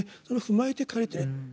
それを踏まえて書かれてる。